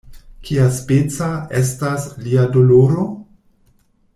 "Kiaspeca estas lia doloro?"